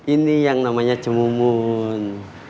ini yang namanya cemumun